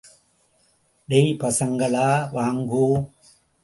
டேய் பசங்களா, வாங்கோ.